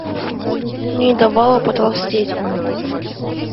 но не давала потолстеть.